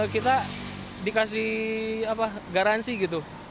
kita dikasih garansi gitu